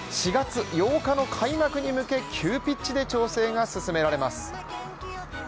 ４月８日の開幕に向け急ピッチで調整が進められます。